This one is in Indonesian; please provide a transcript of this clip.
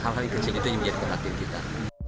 hal hal yang kecil itu yang menjadi perhatian kita